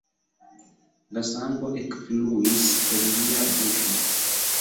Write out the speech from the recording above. La sango ekfluis el lia buŝo.